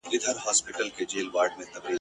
زور خو زور وي، خو چم کول هم له زوره کم نه وي !.